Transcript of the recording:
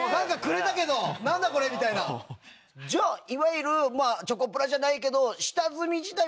じゃあいわゆるチョコプラじゃないけど。